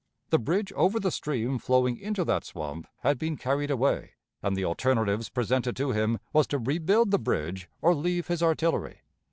The bridge over the stream flowing into that swamp had been carried away, and the alternatives presented to him was to rebuild the bridge or leave his artillery.